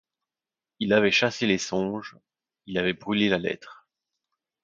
Il avait chassé les songes, il avait brûlé la lettre.